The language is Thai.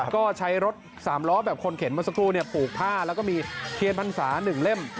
ก็ใช้รถสามล้อแบบคนเข็นมาสักครู่ปลูกผ้าแล้วก็มีเทียนบรรษาหนึ่งเล่ม